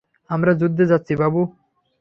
আমরা যুদ্ধে যাচ্ছি, বাবু।